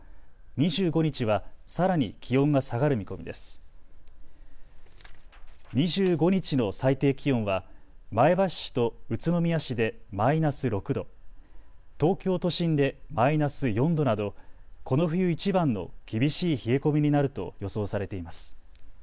２５日の最低気温は前橋市と宇都宮市でマイナス６度、東京都心でマイナス４度などこの冬いちばんの厳しい冷え込みになると予想されています。